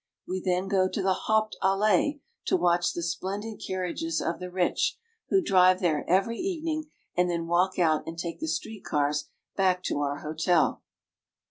We then go to the Haupt Allee, to watch the splendid car riages of the rich, who drive there every evening, and then walk out and take the street cars back to our hotel.